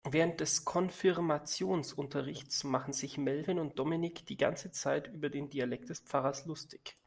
Während des Konfirmationsunterrichts machten sich Melvin und Dominik die ganze Zeit über den Dialekt des Pfarrers lustig.